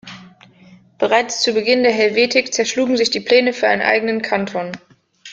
Bereits zu Beginn der Helvetik zerschlugen sich die Pläne für einen eigenen Kanton.